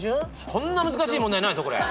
こんな難しい問題ないぞこれ。